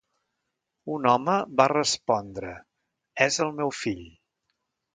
Un home va respondre: "És el meu fill".